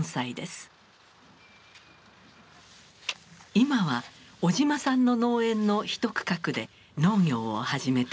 今は小島さんの農園の一区画で農業を始めています。